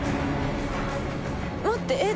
待って。